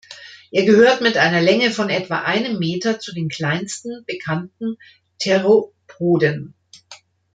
Er gehört mit einer Länge von etwa einem Meter zu den kleinsten bekannten Theropoden.